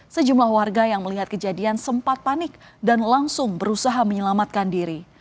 sejumlah warga yang melihat kejadian sempat panik dan langsung berusaha menyelamatkan diri